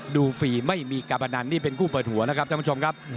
ดูฟรีไม่มีการบันนันนี่เป็นคู่เปิดหัวนะครับ